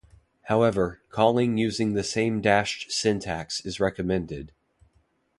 However, calling using the same dashed syntax is recommended.